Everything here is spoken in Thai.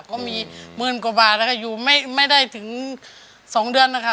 ก็มีหมื่นกว่าบาทแล้วก็อยู่ไม่ได้ถึง๒เดือนนะคะ